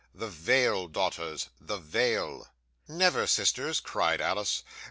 The veil, daughters, the veil!" '"Never, sisters," cried Alice.